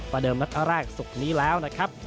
เดิมนัดแรกศุกร์นี้แล้วนะครับ